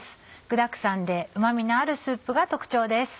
具だくさんでうま味のあるスープが特徴です。